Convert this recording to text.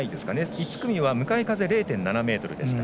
１組は向かい風０．７メートルでした。